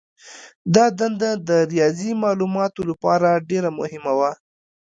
دا دنده د ریاضي مالوماتو لپاره ډېره مهمه وه.